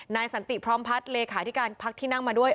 สันติพร้อมพัฒน์เลขาธิการพักที่นั่งมาด้วย